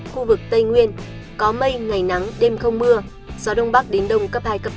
khu vực tây nguyên có mây ngày nắng đêm không mưa gió đông bắc đến đông cấp hai cấp bốn